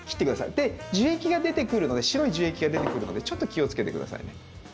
で樹液が出てくるので白い樹液が出てくるのでちょっと気をつけて下さいね。